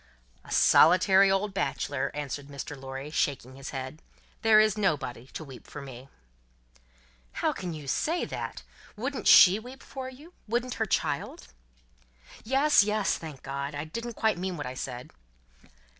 "A solitary old bachelor," answered Mr. Lorry, shaking his head. "There is nobody to weep for me." "How can you say that? Wouldn't She weep for you? Wouldn't her child?" "Yes, yes, thank God. I didn't quite mean what I said."